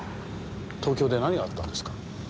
東京で何があったんですか？